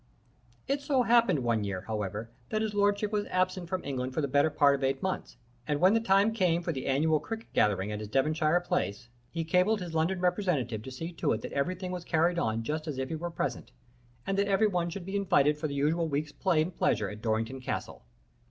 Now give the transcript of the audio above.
It so happened one year, however, that his lordship was absent from England for the better part of eight months, and, when the time came for the annual cricket gathering at his Devonshire place, he cabled his London representative to see to it that everything was carried on just as if he were present, and that every one should be invited for the usual week's play and pleasure at Dorrington Castle.